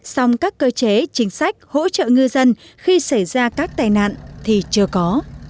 song các cơ chế chính sách hỗ trợ ngư dân khi xảy ra các tai nạn thì chưa có